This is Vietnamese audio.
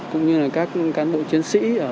cũng như là các cán bộ chiến sĩ